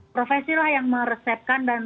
profesi yang meresepkan